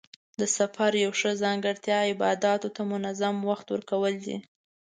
د سفر یوه ښه ځانګړتیا عباداتو ته منظم وخت ورکول دي.